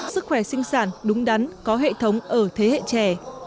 sức khỏe sinh sản đúng đắn có hệ thống ở thế hệ trẻ